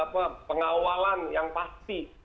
yang ingin mengawal